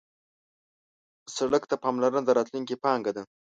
سړک ته پاملرنه د راتلونکي پانګه ده.